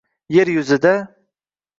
Yer yuzida